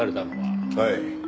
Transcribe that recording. はい。